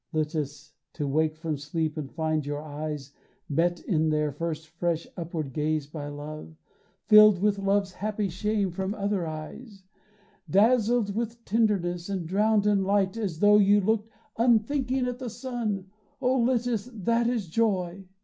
Litis, to wake from sleep and find your eyes Met in their first fresh upward gaze by love, Filled with love's happy shame from other eyes, Dazzled with tenderness and drowned in light As tho' you looked unthinking at the sun, Oh Litis, that is joy!